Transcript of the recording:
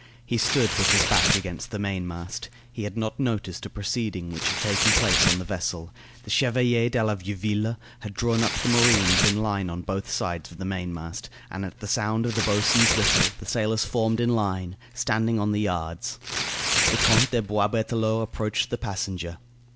He stood with his back against the mainmast. He had not noticed a proceeding which had taken place on the vessel. The Chevalier de la Vieuville had drawn up the marines in line on both sides of the mainmast, and at the sound of the boatswain's whistle the sailors formed in line, standing on the yards. The Count de Boisberthelot approached the passenger.